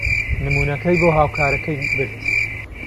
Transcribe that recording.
نموونەکەی بۆ هاوکارەکەی برد.